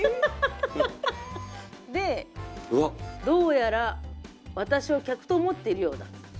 「どうやら私を客と思っているようだ」